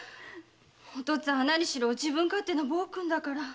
お父っつぁんは何しろ自分勝手の暴君だから。